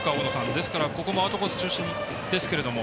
ですから、ここもアウトコース中心ですけども。